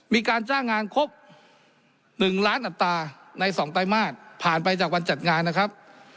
มีการจ้างงานครบ๑ล้านอัตราใน๒ไตรมาสผ่านไปจากวันจัดงานนะครับ